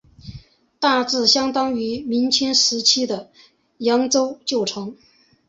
大致相当于明清时期的扬州旧城。